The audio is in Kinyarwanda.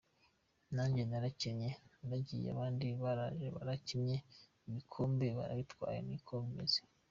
Nanjye narakinnye, naragiye abandi baraje barakinnye, ibikombe barabitwaye, ni uko bimeze.